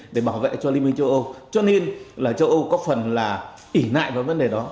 để bảo vệ cho liên minh châu âu cho nên là châu âu có phần là ỉ lại vào vấn đề đó